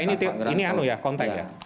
ini konteks ya